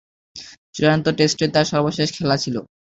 চূড়ান্ত টেস্টই তার সর্বশেষ খেলা ছিল।